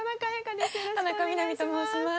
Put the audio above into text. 田中みな実と申します。